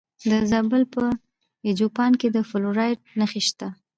د زابل په دایچوپان کې د فلورایټ نښې شته.